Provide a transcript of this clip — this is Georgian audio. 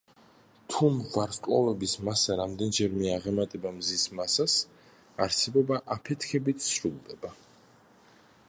თუ ვარსკვლავების მასა რამდენჯერმე აღემატება მზის მასას, არსებობა აფეთქებით სრულდება.